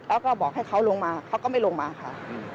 แล้วก็บอกให้เขาลงมาเขาก็ไม่ลงมาค่ะ